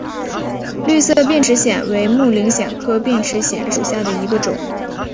绿色变齿藓为木灵藓科变齿藓属下的一个种。